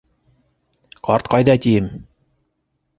Ҡарт ҡайҙа тием!